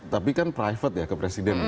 tapi kan private ya ke presiden ya